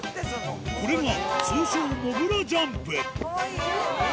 これが通称モブラジャンプ